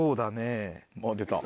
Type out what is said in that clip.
あっ出た。